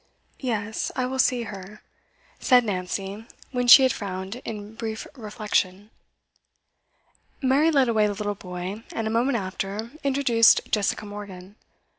'Yes, I will see her,' said Nancy, when she had frowned in brief reflection. Mary led away the little boy, and, a moment after, introduced Jessica Morgan.